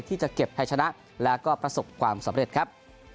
ที่จะเก็บให้ชนะแล้วก็ประสบความสำเร็จครับ